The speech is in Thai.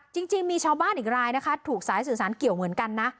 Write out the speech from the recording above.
จริงมีชาวบ้านอีกรายนะคะถูกสายสื่อสารเกี่ยวเหมือนกันนะ